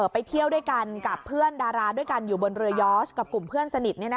ไปเที่ยวด้วยกันกับเพื่อนดาราด้วยกันอยู่บนเรือยอสกับกลุ่มเพื่อนสนิท